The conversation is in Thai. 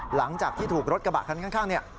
หลังจากที่ถูกรถกระบะคันข้างเนี่ย